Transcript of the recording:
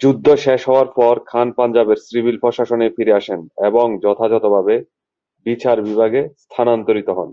যুদ্ধ শেষ হওয়ার পর, খান পাঞ্জাবের সিভিল প্রশাসনে ফিরে আসেন এবং যথাযথভাবে বিচার বিভাগে স্থানান্তরিত হন।